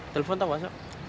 telepon tau gak